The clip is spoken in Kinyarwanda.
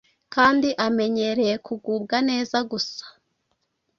kandi amenyereye kugubwa neza gusa,